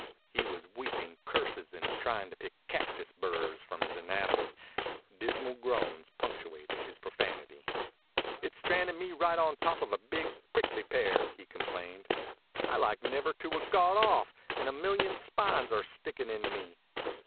He was weeping curses and trying to pick cactus burrs from his anatomy. Dismal groans punctuated his profanity. "It stranded me right on top of a big prickly pear," he complained. "I like never to 'a' got off, and a million spines are stickin' into me."